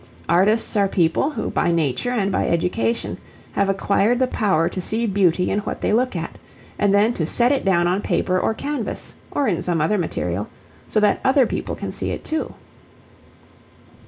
Artists are people who by nature and by education have acquired the power to see beauty in what they look at, and then to set it down on paper or canvas, or in some other material, so that other people can see it too.